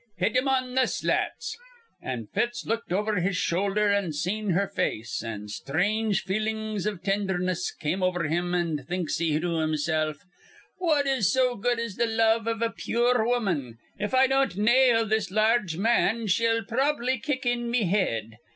'Hit him on th' slats!' An' Fitz looked over his shoulder an' seen her face, an' strange feelin's iv tendherness come over him; an' thinks he to himself: 'What is so good as th' love iv a pure woman? If I don't nail this large man, she'll prob'ly kick in me head.'